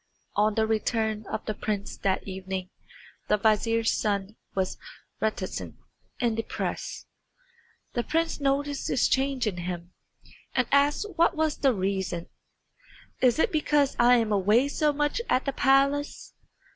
On the return of the prince that evening the vizier's son was very reticent and depressed. The prince noticed this change in him, and asked what was the reason. "Is it because I am away so much at the palace?"